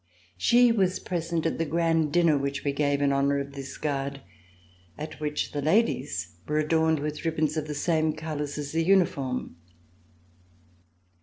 She was present at the grand dinner which we gave in honor of this Guard, at which the ladies were adorned with ribbons of the same colors as the uniform.